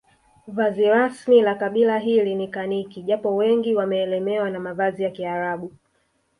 Vazi rasmi la kabila hili ni kaniki japo wengi wameelemewa na mavazi ya kiarabu